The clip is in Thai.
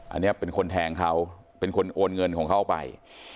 อันนี้เป็นคนแทงเขาเป็นคนโอนเงินของเขาไป